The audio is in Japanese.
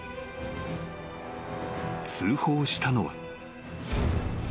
［通報したのは］